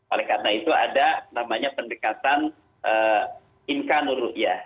oleh karena itu ada namanya pendekatan imkanul ru'yah